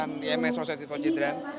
menyelenggarakan iims for children